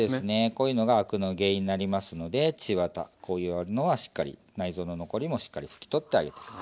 こういうのがアクの原因になりますので血ワタこういうのはしっかり内臓の残りもしっかり拭き取ってあげて下さい。